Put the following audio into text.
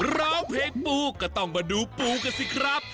ร้องเพชรปุ๊กก็ต้องมาดูปุ๋ยกันสิครับ